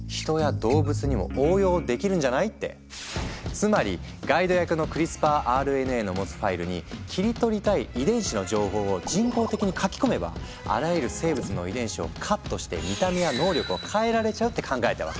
つまりガイド役のクリスパーＲＮＡの持つファイルに切り取りたい遺伝子の情報を人工的に書き込めばあらゆる生物の遺伝子をカットして見た目や能力を変えられちゃうって考えたわけ。